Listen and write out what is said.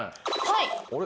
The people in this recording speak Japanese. はい。